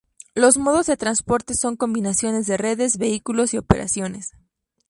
Los modos de transporte son combinaciones de redes, vehículos y operaciones.